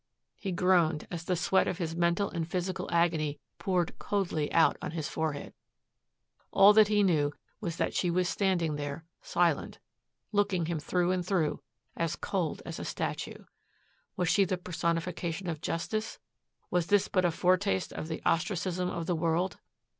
He groaned as the sweat of his mental and physical agony poured coldly out on his forehead. All that he knew was that she was standing there, silent, looking him through and through, as cold as a statue. Was she the personification of justice? Was this but a foretaste of the ostracism of the world?